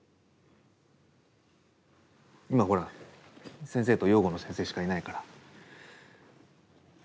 今ほら先生と養護の先生しかいないから。